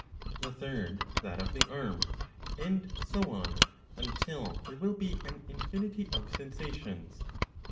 The third, that of the arm, and so on, until there will be an infinity of sensations.